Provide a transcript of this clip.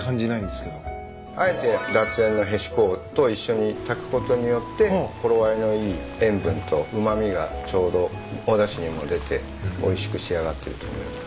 あえて脱塩のへしこと一緒に炊くことによって頃合いのいい塩分とうま味がちょうどおだしにも出ておいしく仕上がってると思います。